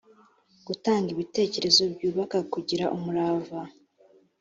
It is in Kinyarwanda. gutanga ibitekerezo byubaka kugira umurava